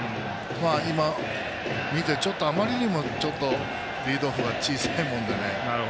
今、見てあまりにもリードオフが小さいもので。